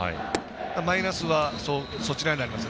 マイナスはそちらになります。